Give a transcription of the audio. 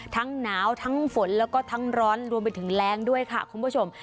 หนาวทั้งฝนแล้วก็ทั้งร้อนรวมไปถึงแรงด้วยค่ะคุณผู้ชม